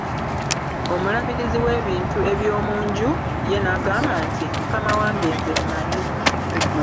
Omulabirizi w'ebintu eby'omu nju ye n'agamba nti " Mukama wange nze mmanyi.